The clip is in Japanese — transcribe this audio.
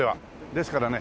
ですからね